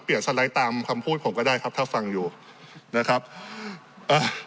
สไลด์ตามคำพูดผมก็ได้ครับถ้าฟังอยู่นะครับเอ่อ